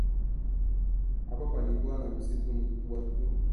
Hapa palikuwa na msitu mkubwa tu